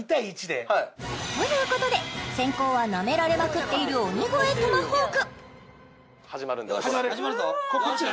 はいということで先攻はなめられまくっている鬼越トマホーク始まるんでよし始まるぞよしよし